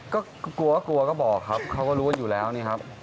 ก็กลัวก็กลัวก็บอกครับเขาก็รู้อยู่แล้วนี่ครับ